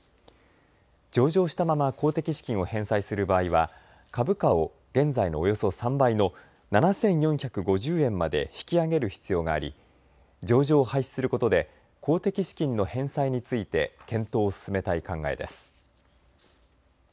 上場したまま公的資金を返済する場合は株価を現在のおよそ３倍の７４５０円まで引き上げる必要があり、上場を廃止することで公的資金の返済について検討を進めたい考えです。